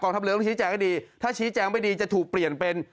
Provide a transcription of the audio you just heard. ทำเรือต้องชี้แจงให้ดีถ้าชี้แจงไม่ดีจะถูกเปลี่ยนเป็น